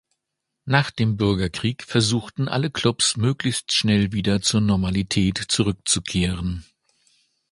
Nach dem Bürgerkrieg versuchten alle Klubs möglichst schnell wieder zur Normalität zurückzukehren.